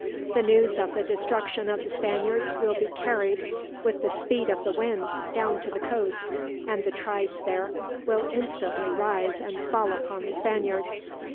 The news of the destruction of the Spaniards will be carried, with the speed of the wind, down to the coast; and the tribes there will instantly rise and fall upon the Spaniards.